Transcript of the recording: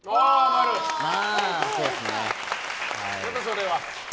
やっぱり、それは。